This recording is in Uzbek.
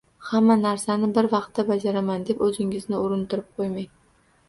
Hamma narsani bir vaqtda bajaraman, deb o‘zingizni urintirib qo‘ymang.